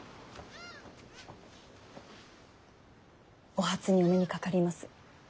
お初にお目にかかります。